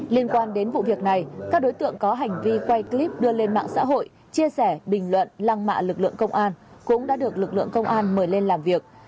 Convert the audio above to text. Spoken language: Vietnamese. liên quan đến vụ việc này các đối tượng có hành vi quay clip đưa lên mạng xã hội chia sẻ bình luận lăng mạ lực lượng công an cũng đã được lực lượng công an mời lên làm việc